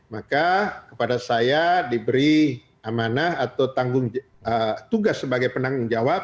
maka kepada saya diberi amanah atau tanggung jawab sebagai penanggung jawab